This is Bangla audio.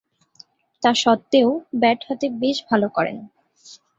তা সত্ত্বেও ব্যাট হাতে বেশ ভালো করেন।